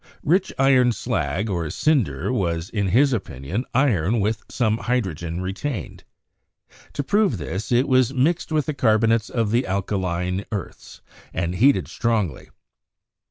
Rich iron slag or cin der was, in his opinion, iron with some hydrogen retained. To prove this, it was mixed with the carbonates of the al kaline earths and heated strongly.